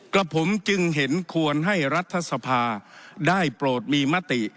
กับผมจึงเห็นควรให้รัฐสภาได้โปรดมีมติ